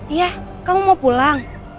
iya kamu mau pulang